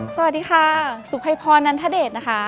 สวัสดีค่ะสุภัยพรนันทเดชนะคะ